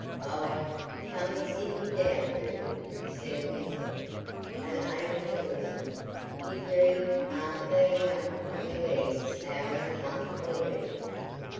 "Aye, come an' sit ye down—do," said Lisbeth, "an' ate a morsel; ye'd need, arter bein' upo' your legs this hour an' half a'ready.